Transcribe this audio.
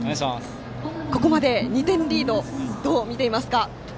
ここまで２点リードどう見ていますか？